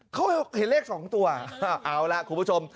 เขาเห็นเลข๒ตัวเอาล่ะคุณผู้ชม